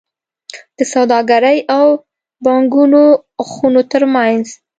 د سوداګرۍ او پانګونو خونو ترمنځ